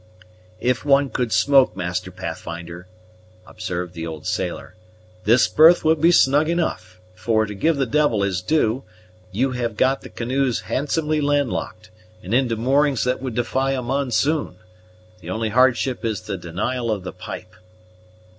"If one could smoke, Master Pathfinder," observed the old sailor, "this berth would be snug enough; for, to give the devil his due, you have got the canoes handsomely landlocked, and into moorings that would defy a monsoon. The only hardship is the denial of the pipe."